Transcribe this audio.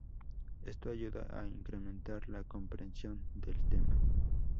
Esto ayuda a incrementar la comprensión del tema.